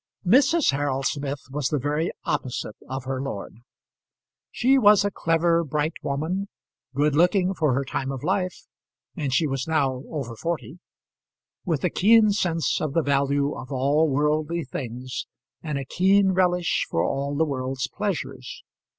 Mrs. Harold Smith was the very opposite of her lord. She was a clever, bright woman, good looking for her time of life and she was now over forty with a keen sense of the value of all worldly things, and a keen relish for all the world's pleasures.